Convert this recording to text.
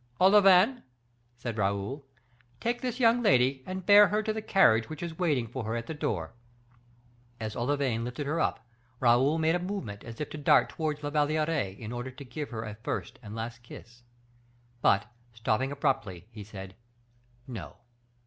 "Olivain," said Raoul, "take this young lady and bear her to the carriage which is waiting for her at the door." As Olivain lifted her up, Raoul made a movement as if to dart towards La Valliere, in order to give her a first and last kiss, but, stopping abruptly, he said, "No!